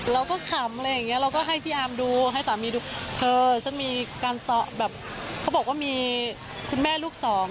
ขำอะไรอย่างเงี้ยเราก็ให้พี่อาร์มดูให้สามีดูเธอฉันมีการแบบเขาบอกว่ามีคุณแม่ลูกสอง